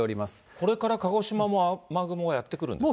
これから鹿児島も雨雲がやって来るんですか。